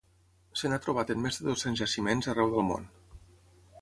Se n'ha trobat en més dos-cents jaciments arreu del món.